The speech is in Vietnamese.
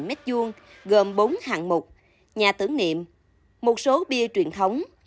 khu tưởng niệm bắc hồ nhà tưởng niệm một số bia truyền thống